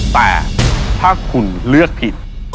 แต่ถ้าคุณเลือกผิด